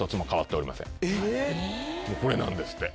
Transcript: これなんですって。